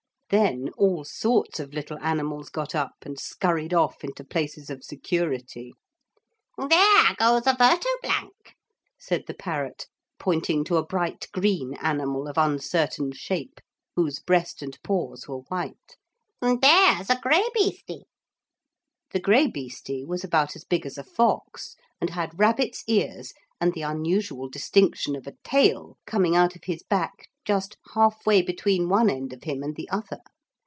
Then all sorts of little animals got up and scurried off into places of security. 'There goes a vertoblanc,' said the parrot, pointing to a bright green animal of uncertain shape, whose breast and paws were white, 'and there's a graibeeste.' The graibeeste was about as big as a fox, and had rabbit's ears and the unusual distinction of a tail coming out of his back just half way between one end of him and the other.